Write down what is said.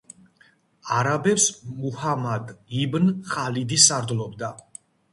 არაბებს მუჰამად იბნ ხალიდი სარდლობდა.